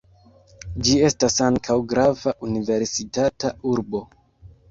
Ĝi estas ankaŭ grava universitata urbo.